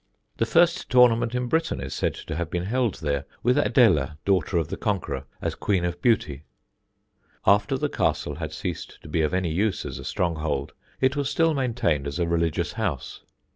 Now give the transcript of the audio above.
The first tournament in England is said to have been held there, with Adela, daughter of the Conqueror, as Queen of Beauty. After the castle had ceased to be of any use as a stronghold it was still maintained as a religious house.